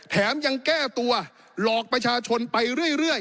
แถมยังแก้ตัวหลอกประชาชนไปเรื่อย